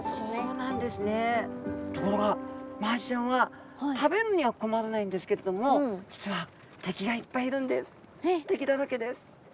ところがマアジちゃんは食べるには困らないんですけれども実は敵だらけです。